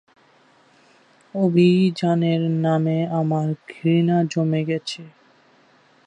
অভিযানের নামে আমার ঘৃণা জন্মে গেছে।